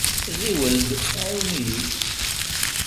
Ɣiwel-d, ɛiwen-iyi!